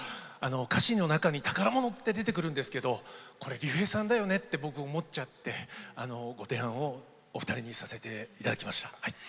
歌詞の中に「宝物」って出てくるんですけどこれ竜平さんだよねって僕、思っちゃってお二人にさせていただきました。